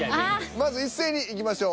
まず一斉にいきましょう。